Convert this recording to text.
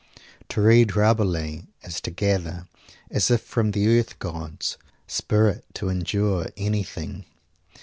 To read Rabelais is to gather, as if from the earth gods, spirit to endure anything.